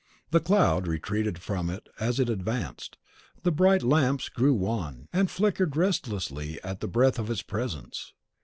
The cloud retreated from it as it advanced; the bright lamps grew wan, and flickered restlessly as at the breath of its presence.